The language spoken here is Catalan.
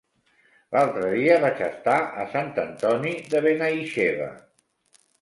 L'altre dia vaig estar a Sant Antoni de Benaixeve.